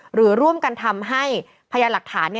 หรือร่วมกันทำให้พยานหลักฐาน